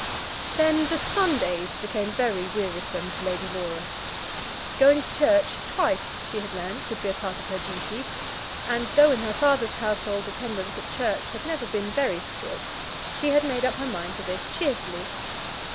Then the Sundays became very wearisome to Lady Laura. Going to church twice, she had learnt, would be a part of her duty; and though in her father's household attendance at church had never been very strict, she had made up her mind to this cheerfully.